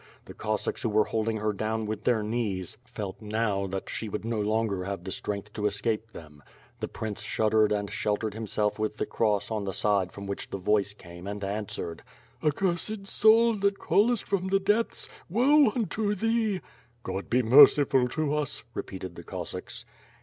The Cossacks who were holding her down with their knees, felt now that she would no longer have the strength to escape them. The prince shuddered and sheltered himself with the cross on the side from which the voice came and answered: "Accursed soul, that callest from the depths! Woe unto thee!" "God be merciful to us," repeated the Cossacks.